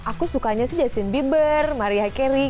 aku sukanya sih jasin bieber maria carey